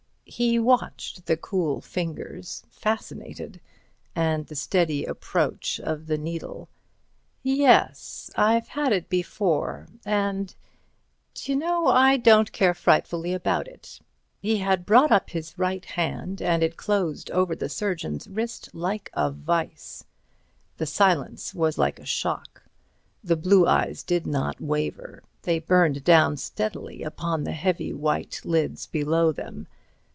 He watched the cool fingers, fascinated, and the steady approach of the needle. "Yes—I've had it before—and, d'you know—I don't care frightfully about it." He had brought up his right hand, and it closed over the surgeon's wrist like a vise. The silence was like a shock. The blue eyes did not waver; they burned down steadily upon the heavy white lids below them.